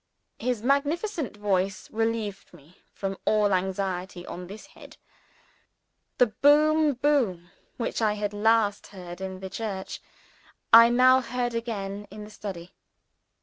His magnificent voice relieved me from all anxiety on this head. The boom boom which I had last heard in the church, I now heard again in the study.